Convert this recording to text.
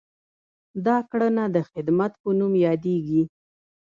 دا کړنه د خدمت په نوم یادیږي.